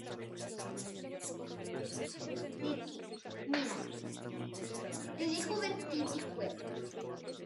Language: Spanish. La misa la celebran según el rito dominicano.